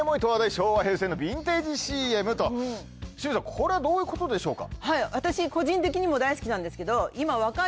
これはどういうことでしょうか？